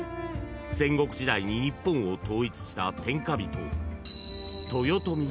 ［戦国時代に日本を統一した天下人］